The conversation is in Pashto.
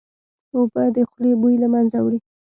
اوبه د خولې بوی له منځه وړي